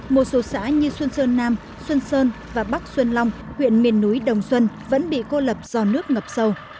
một số xã như xuân sơn nam xuân sơn và bắc xuân long huyện miền núi đồng xuân vẫn bị cô lập do nước ngập sâu